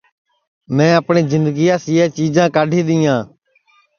میں اپٹؔی جِندگیاس یہ چیجاں کاڈھی دؔیں